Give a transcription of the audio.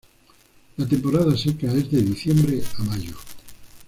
La temporada seca es de diciembre a mayo.